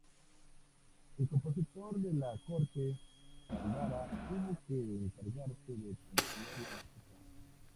El compositor de la corte Caldara tuvo que encargarse de componer la música.